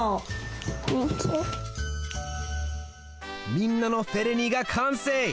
みんなのフェレニがかんせい！